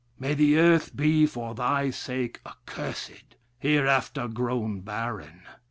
May the earth be, for thy sake, accursed hereafter grow barren.